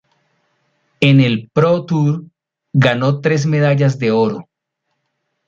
En el Pro Tour, ganó tres medallas de oro.